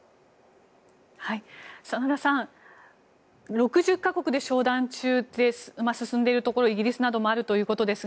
真田さん、６０か国で商談が進んでいるところでイギリスなどもあるということですが